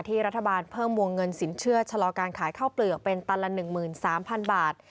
รัฐบาลเพิ่มวงเงินสินเชื่อชะลอการขายข้าวเปลือกเป็นตันละ๑๓๐๐๐บาท